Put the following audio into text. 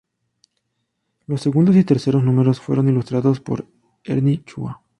Los segundos y terceros números fueron ilustrados por Ernie Chua.